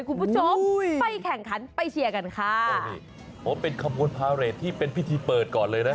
คุณผู้ชมไปแข่งขันไปเชียร์กันค่ะโอ้นี่อ๋อเป็นขบวนพาเรทที่เป็นพิธีเปิดก่อนเลยนะ